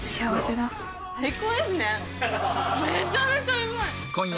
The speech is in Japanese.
めちゃめちゃうまい！